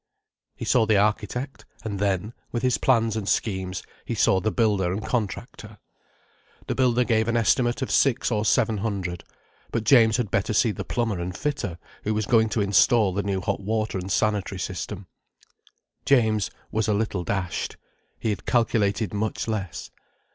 He saw the architect: and then, with his plans and schemes, he saw the builder and contractor. The builder gave an estimate of six or seven hundred—but James had better see the plumber and fitter who was going to instal the new hot water and sanitary system. James was a little dashed. He had calculated much less.